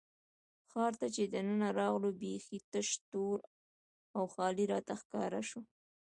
ښار ته چې دننه راغلو، بېخي تش، تور او خالي راته ښکاره شو.